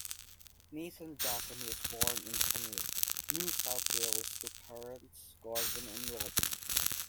Nathan Bracken was born in Penrith, New South Wales to parents Gordon and Robin.